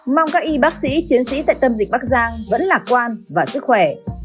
mong các y bác sĩ chiến sĩ tại tâm dịch bắc giang vẫn lạc quan và sức khỏe